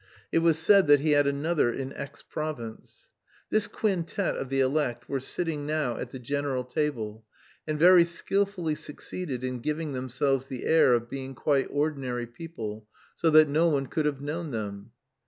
It was said that he had another in X province. This quintet of the elect were sitting now at the general table, and very skilfully succeeded in giving themselves the air of being quite ordinary people, so that no one could have known them.